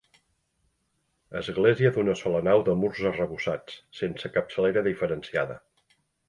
Església d'una sola nau de murs arrebossats, sense capçalera diferenciada.